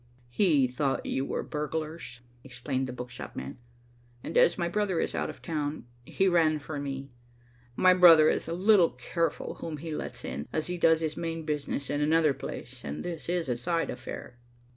"He thought you were burglars," explained the book shop man, "and as my brother is out of town, he ran for me. My brother is a little careful whom he lets in, as he does his main business in another place, and this is a side affair."